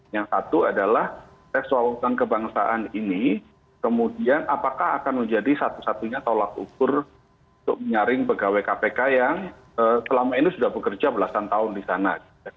yang satu adalah tes wawasan kebangsaan ini kemudian apakah akan menjadi satu satunya tolak ukur untuk menyaring pegawai kpk yang selama ini sudah bekerja belasan tahun di sana